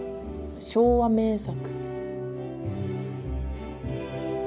「昭和名作」。